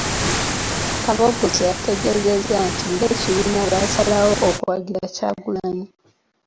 Kaboggoza yategeezezza nti ng'ekibiina baasalawo okuwagira Kyagulanyi.